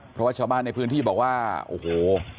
เพราะว่าชาวบ้านในพื้นที่บอกว่าโอ้โห